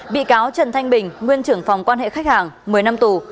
bị cáo trần thanh bình nguyên trưởng phòng quan hệ khách hàng một mươi năm tù